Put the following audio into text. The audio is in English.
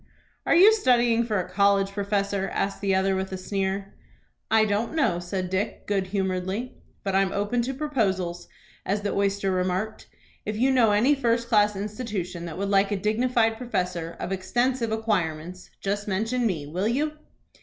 "Are you studying for a college professor?" asked the other, with a sneer. "I don't know," said Dick, good humoredly; "but I'm open to proposals, as the oyster remarked. If you know any first class institution that would like a dignified professor, of extensive acquirements, just mention me, will you?"